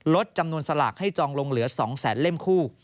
ลดจำนวนสลากให้จองลงเหลือ๒แสนเล่มคู่